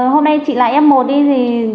hôm nay chị lại f một đi